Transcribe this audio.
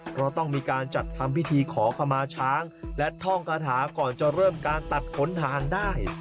เพราะต้องมีการจัดทำพิธีขอขมาช้างและท่องคาถาก่อนจะเริ่มการตัดขนทางได้